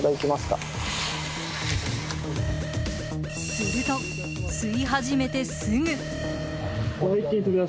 すると吸い始めてすぐ。